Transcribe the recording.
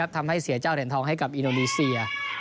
ทำให้เสียเจ้าเด่นทองให้กับอินโอลิเซีย